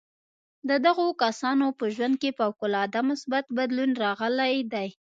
د دغو کسانو په ژوند کې فوق العاده مثبت بدلون راغلی دی